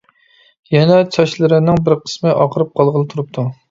يەنە چاچلىرىنىڭ بىر قىسمى ئاقىرىپ قالغىلى تۇرۇپتۇ.